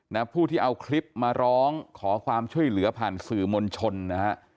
ผู้ที่เอาคลิปมาร้องขอความช่วยเหลือผ่านสื่อมวลชนนะฮะ